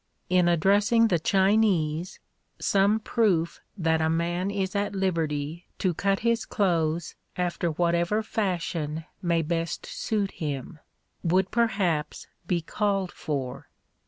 In addressing the Chinese, some proof that a man is at liberty to cut his clothes after whatever fashion may best suit him, would perhaps be called for.